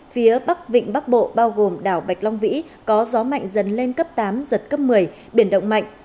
phía bắc vịnh bắc bộ bao gồm đảo bạch long vĩ có gió mạnh dần lên cấp tám giật cấp một mươi biển động mạnh